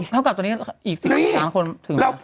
เท่ากับตอนนี้อีก๑๓คนถึงแล้ว